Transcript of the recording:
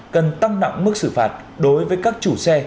cần tăng nặng mức xử phạt đối với các chủ xe